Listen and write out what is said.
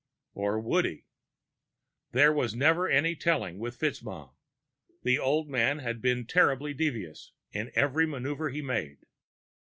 Or would he? There was never any telling, with FitzMaugham. The old man had been terribly devious in every maneuver he made.